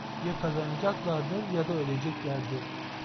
Ya kazanacaklardır ya da öleceklerdir.